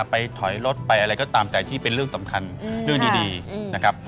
ไปถอยรถไปอะไรก็ตามแต่ที่เป็นเรื่องสำคัญเรื่องดีนะครับ